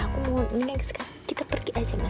aku mohon ini sekarang kita pergi aja